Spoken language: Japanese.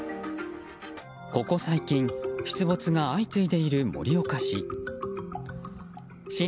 ここ最近出没が相次いでいる盛岡市。